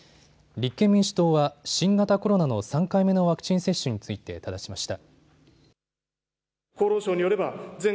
立憲民主党は新型コロナの３回目のワクチン接種についてただしました。